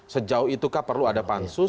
sejauh itukah perlu ada pansus